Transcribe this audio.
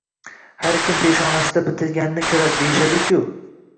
Har kim peshonasida bitilganini ko`radi, deyishadi-ku